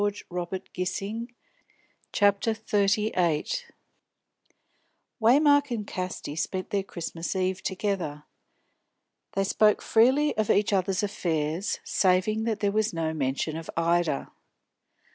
CHAPTER XXXVIII ORDERS OF RELEASE Waymark and Casti spent their Christmas Eve together. They spoke freely of each other's affairs, saving that there was no mention of Ida.